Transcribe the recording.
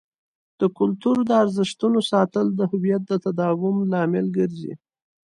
د کلتور د ارزښتونو ساتل د هویت د تداوم لامل ګرځي.